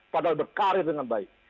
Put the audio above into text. padahal berkarir dengan baik